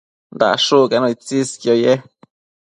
dashucquenu itsisquio ye